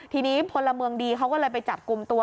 ทีนี้พลเมืองดีเขาก็เลยไปจับกลุ่มตัว